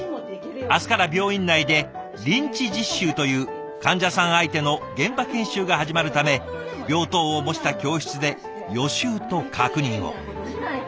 明日から病院内で臨地実習という患者さん相手の現場研修が始まるため病棟を模した教室で予習と確認を。